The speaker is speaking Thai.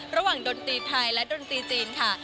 ระหว่างดนตรีไทยและดนตรีจีนค่ะ